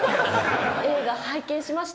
映画、拝見しました。